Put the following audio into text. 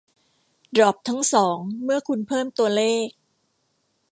ดร็อปทั้งสองเมื่อคุณเพิ่มตัวเลข